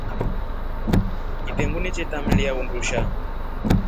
Kitengu ni che tamilia undusha.